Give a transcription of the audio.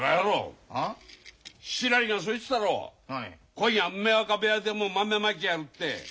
今夜梅若部屋でも豆まきやるって。